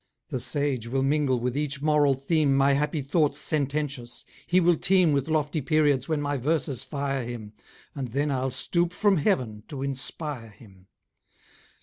The sage will mingle with each moral theme My happy thoughts sententious; he will teem With lofty periods when my verses fire him, And then I'll stoop from heaven to inspire him.